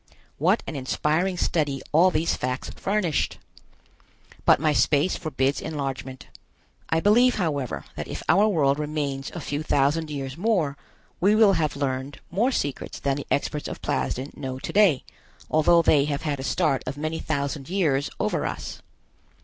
What an inspiring study all these facts furnished! But my space forbids enlargement. I believe, however, that if our world remains a few thousand years more, we will have learned more secrets than the experts of Plasden know to day, although they have had a start of many thousand years over us.